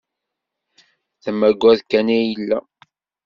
D amaggad kan ay yella.